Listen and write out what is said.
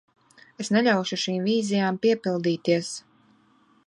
Es neļaušu šīm vīzijām piepildīties.